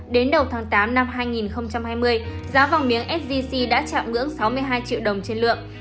đến đầu tháng tám năm hai nghìn hai mươi giá vàng miếng sgc đã chạm ngưỡng sáu mươi hai triệu đồng trên lượng